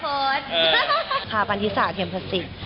คุณคุณพาพันธิสาเทียมภาษิกษ์